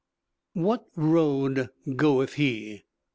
WHAT ROAD GOETH HE?